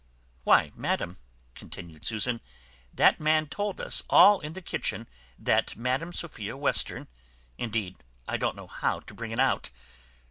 "Why, madam," continued Susan, "that man told us all in the kitchen that Madam Sophia Western indeed I don't know how to bring it out."